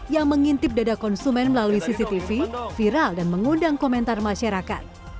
yang mengintip dada konsumen melalui cctv viral dan mengundang komentar masyarakat